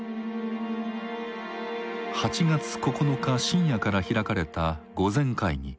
８月９日深夜から開かれた御前会議。